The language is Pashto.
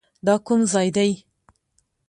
دا کوم ځاى دى.